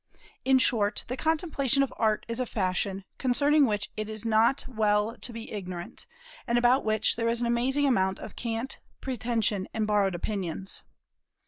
In short, the contemplation of Art is a fashion, concerning which it is not well to be ignorant, and about which there is an amazing amount of cant, pretension, and borrowed opinions.